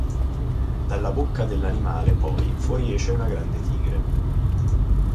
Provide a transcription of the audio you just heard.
Dalla bocca dell’animale, poi, fuoriesce una grande tigre.